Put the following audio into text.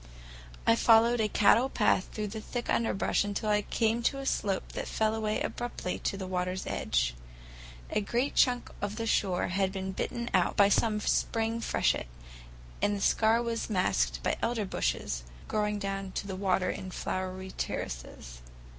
I followed a cattle path through the thick underbrush until I came to a slope that fell away abruptly to the water's edge. A great chunk of the shore had been bitten out by some spring freshet, and the scar was masked by elder bushes, growing down to the water in flowery terraces.